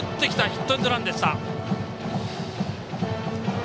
ヒットエンドランでした。